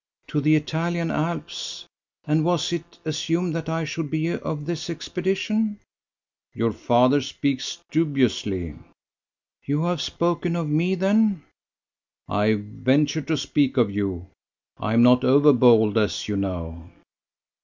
"To the Italian Alps! And was it assumed that I should be of this expedition?" "Your father speaks dubiously." "You have spoken of me, then?" "I ventured to speak of you. I am not over bold, as you know."